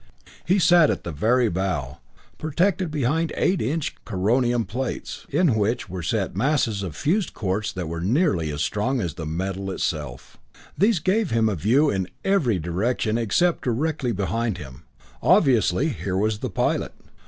He sat at the very bow, protected behind eight inch coronium plates in which were set masses of fused quartz that were nearly as strong as the metal itself. These gave him a view in every direction except directly behind him. Obviously, here was the pilot.